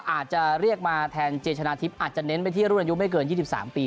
อาจจะเรียกมาแทนเจชนะทิพย์อาจจะเน้นไปที่รุ่นอายุไม่เกิน๒๓ปี